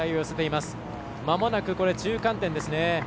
まもなく中間点です。